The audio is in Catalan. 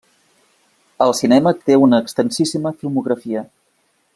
Al cinema té una extensíssima filmografia.